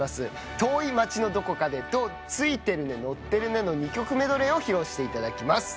『遠い街のどこかで』と『ツイてるねノッてるね』の２曲メドレーを披露していただきます。